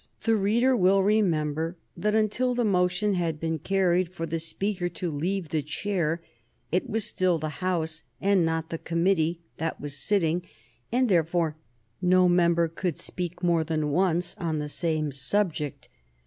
The reader will remember that until the motion had been carried for the Speaker to leave the chair it was still the House, and not the committee, that was sitting, and therefore no member could speak more than once on the same subject.